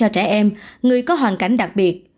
trẻ em người có hoàn cảnh đặc biệt